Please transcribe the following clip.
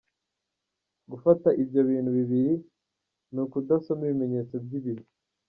Gufata ibyo bintu bibiri ni ukudasoma ibimenyetso by’ibihe.